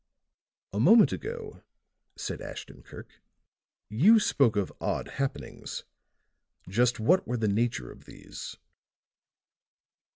"A moment ago," said Ashton Kirk, "you spoke of odd happenings. Just what were the nature of these?"